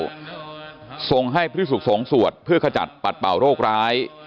สำพุทธเจ้าทรงให้พฤศูกษ์สองสวดเพื่อขจัดปัดเป่าโรคร้าย